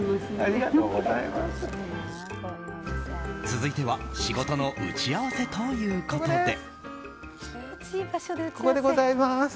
続いては仕事の打ち合わせということで。